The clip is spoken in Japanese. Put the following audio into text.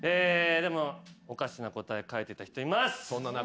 でもおかしな答え書いてた人います。